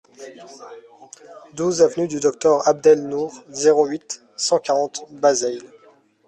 douze avenue du Docteur Abd El Nour, zéro huit, cent quarante, Bazeilles